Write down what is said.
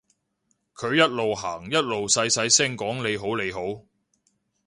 佢一路行一路細細聲講你好你好